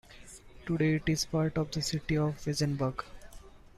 Today it is part of the city of Weissenburg.